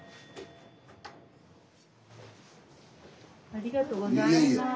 ありがとうございます。